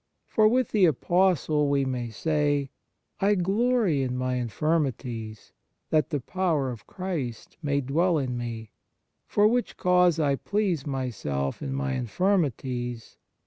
For with the Apostle we may say: " I glory in my infirmities, that the power of Christ may dwell in me. For which cause I please myself in my infirmities